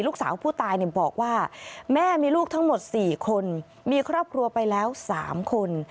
ลูกสาวผู้ตายบอกว่าแม่มีลูกทั้งหมด๔คนมีครอบครัวไปแล้ว๓คน